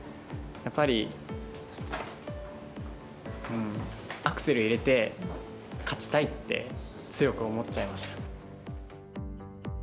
やっぱり、うーん、アクセル入れて、勝ちたいって、強く思っちゃいました。